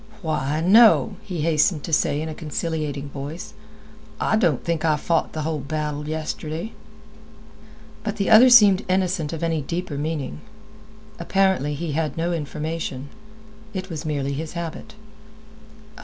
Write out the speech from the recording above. "Why, no," he hastened to say in a conciliating voice "I don't think I fought the whole battle yesterday." But the other seemed innocent of any deeper meaning. Apparently, he had no information. It was merely his habit.